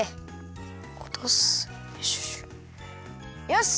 よし！